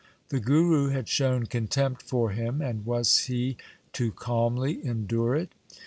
The Guru had shown contempt for him, and was he to calmly endure it